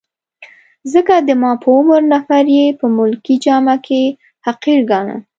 ځکه د ما په عمر نفر يې په ملکي جامه کي حقیر ګاڼه.